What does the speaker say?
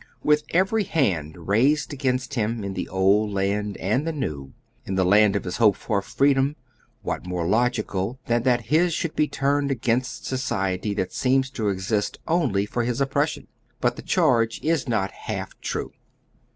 "With every hand raised against him in the old land and the new, in the land of his hoped for freedom, what more logical than that his should be turned against society that seems to exist only for his oppression ? But the charge is not iialf true.